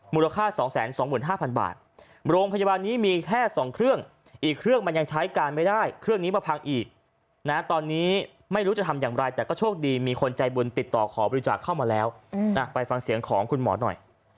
มูลค่า๒๒๕๐๐บาทโรงพยาบาลนี้มีแค่๒เครื่องอีกเครื่องมันยังใช้การไม่ได้เครื่องนี้มาพังอีกนะตอนนี้ไม่รู้จะทำอย่างไรแต่ก็โชคดีมีคนใจบุญติดต่อขอบริจาคเข้ามาแล้วไปฟังเสียงของคุณหมอหน่อย